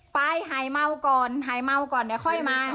ไปหายเมาก่อนหายเมาก่อนเดี๋ยวค่อยมา